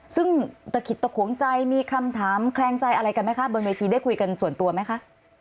ซึ่งตะขิดตะขวงใจมีคำถามแคลงใจอะไรกันไหมคะบนเวทีได้คุยกันส่วนตัวไหมคะ